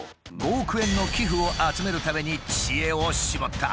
５億円の寄付を集めるために知恵を絞った。